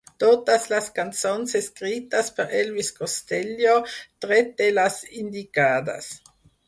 Totes les cançons escrites per Elvis Costello tret de les indicades.